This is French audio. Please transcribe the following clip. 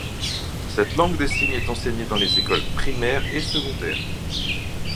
Cette langue des signes est enseignée dans les écoles primaires et secondaires.